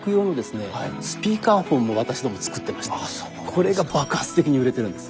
これが爆発的に売れてるんです。